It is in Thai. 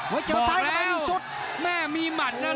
ภูตวรรณสิทธิ์บุญมีน้ำเงิน